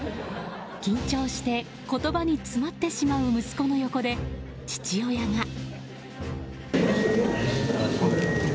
緊張して言葉に詰まってしまう息子の横で父親が。